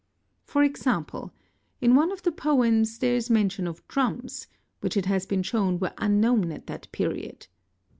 For example in | one of the poems there is mention of drums, which it has been shown ~ were unknown at that period.